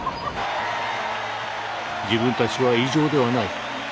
自分たちは異常ではない。